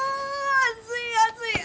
暑い暑い！